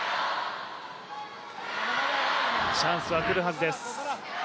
チャンスは来るはずです。